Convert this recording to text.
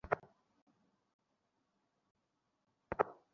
পরীক্ষার খাতায় এমন কিছু দেখান, যেটা আপনার খাতাকে আলাদা করে তোলে।